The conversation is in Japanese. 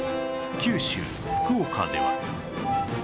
九州福岡では